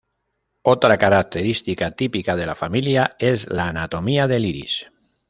Otra característica típica de la familia es la anatomía del iris.